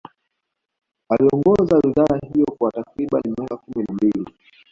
Aliongoza wizara hiyo kwa takriban miaka kumi na mbili